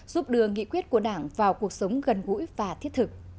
giúp đưa nghị quyết của đảng vào cuộc sống gần gũi và thiết thực